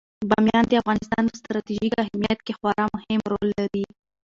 بامیان د افغانستان په ستراتیژیک اهمیت کې خورا مهم رول لري.